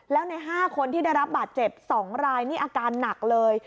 แล้วใน๕คนที่ได้รับบาดเจ็บ๒รายนี่อาการหนักเลย